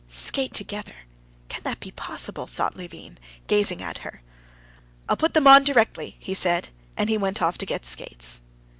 "Skate together! Can that be possible?" thought Levin, gazing at her. "I'll put them on directly," he said. And he went off to get skates.